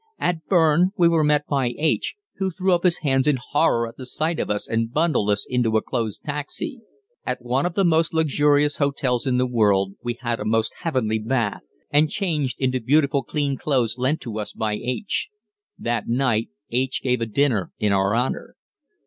At Berne we were met by H., who threw up his hands in horror at the sight of us and bundled us into a closed taxi. At one of the most luxurious hotels in the world, we had a most heavenly bath, and changed into beautiful clean clothes lent to us by H. That night H. gave a dinner in our honor.